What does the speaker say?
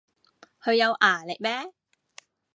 佢有牙力咩